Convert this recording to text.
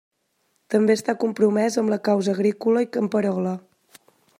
També està compromès amb la causa agrícola i camperola.